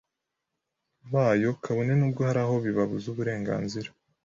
bayo kabone n’ubwo hari aho bibabuza uburenganzira